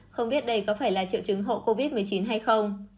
không biết đây có phải là triệu chứng hộ covid một mươi chín hay không